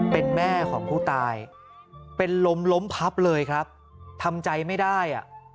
เป็นแม่ของผู้ตายเป็นลมล้มพับเลยครับทำใจไม่ได้อ่ะ